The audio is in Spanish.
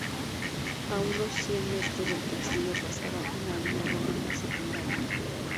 A unos cien metros del castillo pasaba una vía romana secundaria.